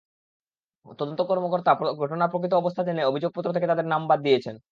তদন্ত কর্মকর্তা ঘটনার প্রকৃত অবস্থা জেনে অভিযোগপত্র থেকে তাঁদের নাম বাদ দিয়েছেন।